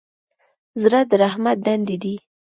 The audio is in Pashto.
زړه د رحمت ډنډ دی.